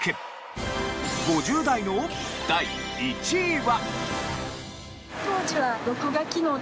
５０代の第１位は。